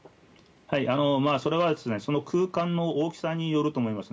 それはその空間の大きさによると思います。